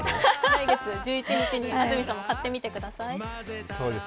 来月１１日に安住さんも買ってみてください。